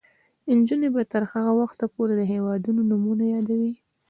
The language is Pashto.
نجونې به تر هغه وخته پورې د هیوادونو نومونه یادوي.